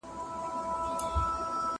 زه ونې ته اوبه ورکړې دي!!